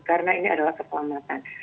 karena ini adalah kekelamatan